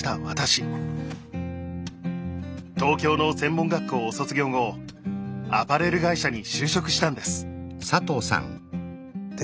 東京の専門学校を卒業後アパレル会社に就職したんです。